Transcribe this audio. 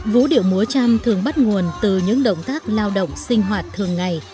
vũ điệu múa trăm thường bắt nguồn từ những động tác lao động sinh hoạt thường ngày